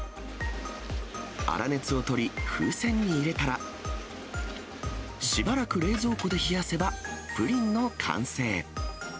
粗熱を取り、風船に入れたら、しばらく冷蔵庫で冷やせば、プリンの完成。